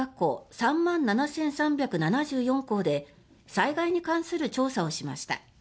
３万７３７４校で災害に関する調査をしました。